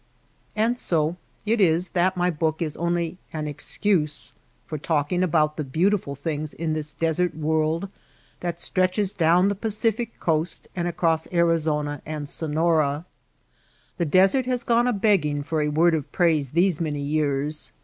And so it is that my book is only an excuse for talking about the beautiful things in this desert world that stretches down the Pacific Coast, and across Arizona and Sonora. The desert has gone a begging for a word of praise these many years.